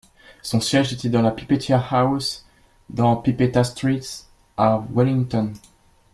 Son siège est dans la Pipitea House dans Pipitea Street à Wellington.